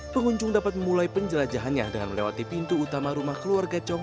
pengunjung dapat memulai penjelajahannya dengan melewati pintu utama rumah keluarga cong